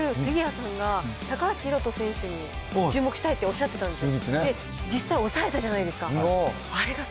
あと先週、杉谷さんが高橋宏斗選手に注目したいっておっしゃってたんですよ。